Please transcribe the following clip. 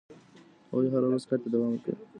هغوی هره ورځ کار ته دوام ورکوي.